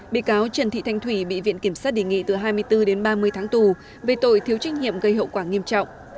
bị cáo trần thị thanh thủy bị viện kiểm sát đề nghị từ hai mươi bốn đến ba mươi tháng tù về tội thiếu trách nhiệm gây hậu quả nghiêm trọng